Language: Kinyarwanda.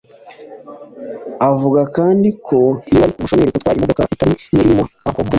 Avuga kandi ko iyo ari umushoferi utwaye imodoka itari iye irimo ako kuma